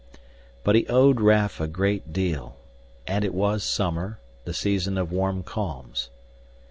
But he owed Raf a great deal, and it was summer, the season of warm calms.